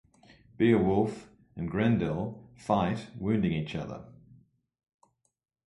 Beowulf and Grendel fight, wounding each other.